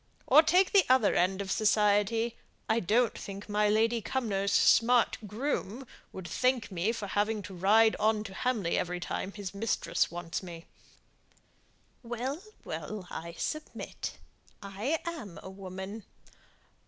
Or take the other end of society: I don't think my Lady Cumnor's smart groom would thank me for having to ride on to Hamley every time his mistress wants me." "Well, well, I submit. I am a woman.